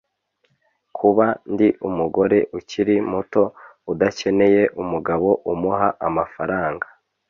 Kuba ndi umugore ukiri muto udakeneye umugabo umuha amafaranga